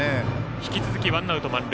引き続きワンアウト、満塁。